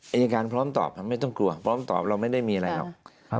อายการพร้อมตอบครับไม่ต้องกลัวพร้อมตอบเราไม่ได้มีอะไรหรอก